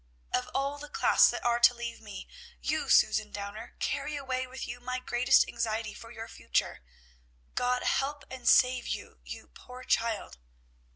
Of all the class that are to leave me, you, Susan Downer, carry away with you my greatest anxiety for your future. God help and save you, you poor child!"